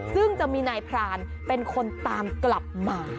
ซึ่งจะมีนายพรานเป็นคนตามกลับมา